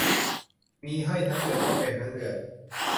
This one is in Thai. มีให้ทั้งเดือนก็เต็มทั้งเดือน